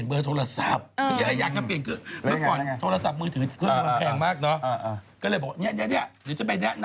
รู้จักกันได้ยังไงรู้จักกันเพราะพี่แหวนเหรอ